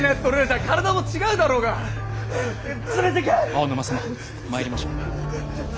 青沼様参りましょう。